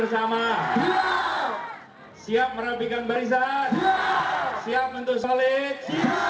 siap bentuk salit